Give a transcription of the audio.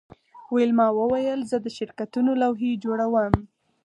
ویلما وویل زه د شرکتونو لوحې جوړوم